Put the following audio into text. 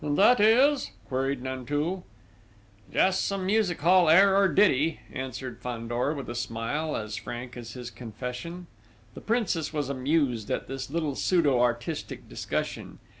"And that is?" ... queried Nanteuil: "Just some music hall air or ditty," answered Fandor with a smile as frank as his confession. The Princess was amused at this little pseudo artistic discussion.